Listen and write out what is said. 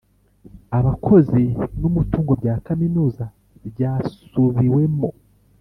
abakozi numutungo bya kaminuza byasubiwemo